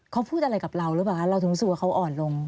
เขาพูดอะไรกับเราหรือเปล่าคะเราถึงรู้สึกว่าเขาอ่อนลง